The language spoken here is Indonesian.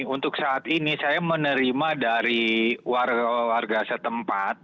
untuk saat ini saya menerima dari warga setempat